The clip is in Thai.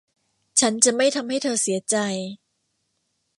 ฉันจะไม่ทำให้เธอเสียใจ